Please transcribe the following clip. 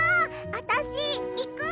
あたしいく！